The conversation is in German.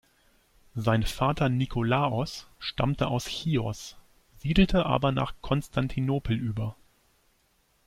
Sein Vater Nikolaos stammte aus Chios, siedelte aber nach Konstantinopel über.